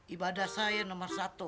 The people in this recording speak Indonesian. ibadah saya nomor satu